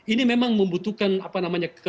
ini memang membutuhkan apa namanya ke apa